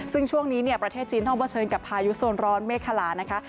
ซึ่งช่วงนี้เนี่ยประเทศจีนต้องเผชิญกับพายุโซนร้อนเมฆคลานะคะ